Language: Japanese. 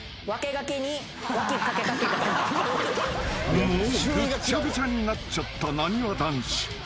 ［もうぐっちゃぐちゃになっちゃったなにわ男子］